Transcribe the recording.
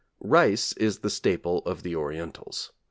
Rice is the staple of the Orientals.